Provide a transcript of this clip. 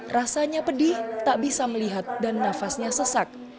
rasanya pedih tak bisa melihat dan nafasnya sesak